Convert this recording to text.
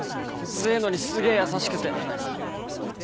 強えのにすげえ優しくて。